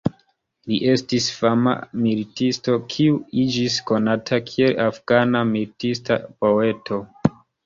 Li estis fama militisto kiu iĝis konata kiel "Afgana militista poeto".